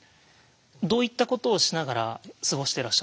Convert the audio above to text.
どういったことをしながら過ごしてらっしゃったんですか？